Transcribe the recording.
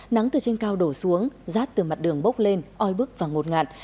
nắng từ trên cao đổ xuống rát từ mặt đường bốc lên oi bức và ngột ngạn